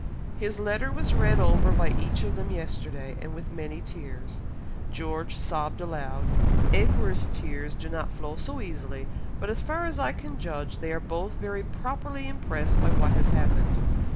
His letter was read over by each of them yesterday and with many tears; George sobbed aloud, Edward's tears do not flow so easily, but as far as I can judge, they are both very properly impressed by what has happened....